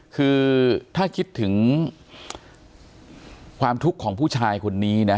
คือถ้าคิดถึงความทุกข์ของผู้ชายคนนี้นะ